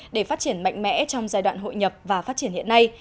để phát triển mạnh mẽ trong giai đoạn hội nhập và phát triển hiện nay